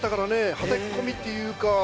はたき込みっていうか。